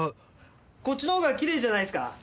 こっちの方がきれいじゃないですか？